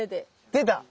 出た！